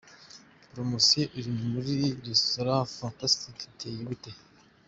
Promotion iri muri Resitora Fantastic iteye gute? .